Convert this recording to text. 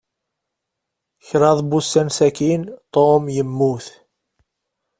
Kṛaḍ n wussan sakin, Tom yemmut.